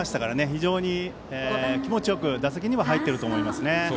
非常に気持ちよく打席には入っていると思いますね。